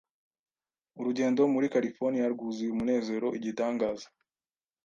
Urugendo muri Californiya rwuzuye umunezero igitangaza